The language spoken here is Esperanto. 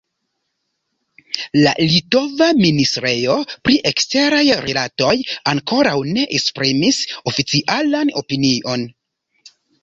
La litova ministrejo pri eksteraj rilatoj ankoraŭ ne esprimis oficialan opinion.